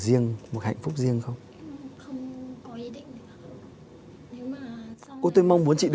tìm một đường riêng cho mình